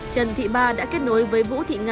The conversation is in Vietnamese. trần thị ba đã kết nối với vũ thị nga